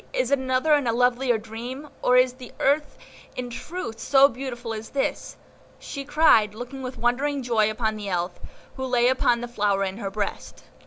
is it another and a lovelier dream, or is the earth in truth so beautiful as this?" she cried, looking with wondering joy upon the Elf, who lay upon the flower in her breast.